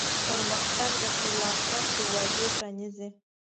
پرمختګ د خلاقیت دروازې پرانیزي.